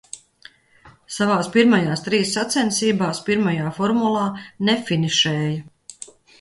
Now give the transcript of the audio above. Savās pirmajās trīs sacensībās pirmajā formulā nefinišēja.